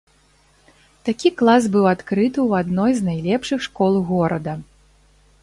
Такі клас быў адкрыты ў адной з найлепшых школ горада.